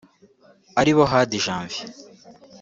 aribo Hadi Janvier